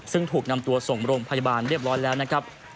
ซึ่งถูกนำตัวส่งโรงพยาบาลเรียบร้อยแล้วนะครับ